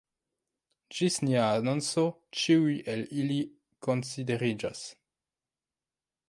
Ĝis nia anonco ĉiuj el ili konsideriĝas.